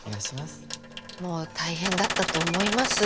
もう大変だったと思います。